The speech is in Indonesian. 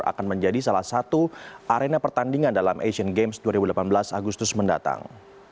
akan menjadi salah satu arena pertandingan dalam asian games dua ribu delapan belas agustus mendatang